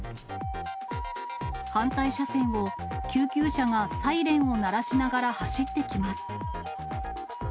反対車線を、救急車がサイレンを鳴らしながら走ってきます。